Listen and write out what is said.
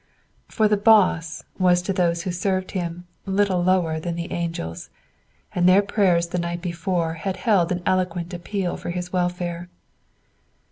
For the "boss" was to those who served him "little lower than the angels;" and their prayers the night before had held an eloquent appeal for his welfare.